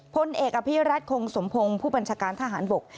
พลเอกอภิรัตคงสมพงศ์ผู้บัญชาการทหารบก